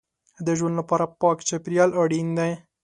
د ژوند لپاره پاک چاپېریال اړین دی.